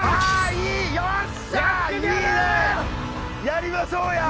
やりましょうや！